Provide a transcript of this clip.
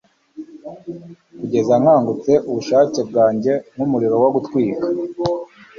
kugeza nkangutse ubushake bwanjye nkumuriro wo gutwika